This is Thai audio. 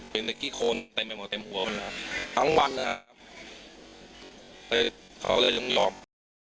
เป็นนักที่คนเต็มหัวทั้งวันนะเขาเลยยอม